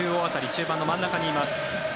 中盤の真ん中にいます。